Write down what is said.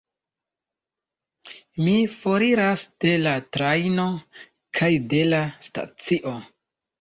Mi foriras de la trajno, kaj de la stacio.